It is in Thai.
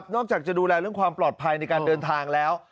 อกจากจะดูแลเรื่องความปลอดภัยในการเดินทางแล้ว